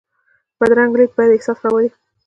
بدرنګه لید بد احساس راولي